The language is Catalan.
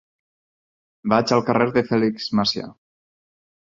Vaig al carrer de Fèlix Macià.